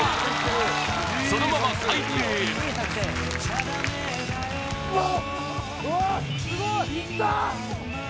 そのまま海底へぷわっ！